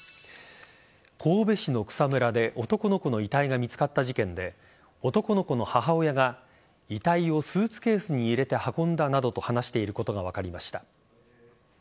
神戸市の草むらで男の子の遺体が見つかった事件で男の子の母親が遺体をスーツケースに入れて運んだなどと話していることが分かりました。